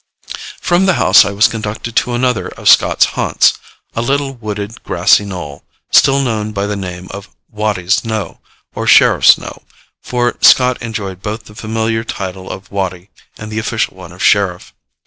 From the house I was conducted to another of Scott's haunts a little wooded grassy knoll, still known by the name of 'Wattie's Knowe,' or 'Sheriff's Knowe,' for Scott enjoyed both the familiar title of 'Wattie' and the official one of 'Sheriff.'